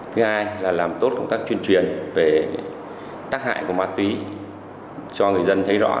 thứ hai là làm tốt công tác chuyên truyền về tác hại của ma túy cho người dân thấy rõ